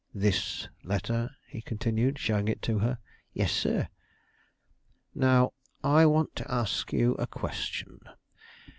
"This letter?" he continued, showing it to her. "Yes, sir." "Now I want to ask you a question.